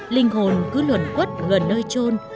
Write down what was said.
linh hồn cứ luẩn quất gần nơi trôn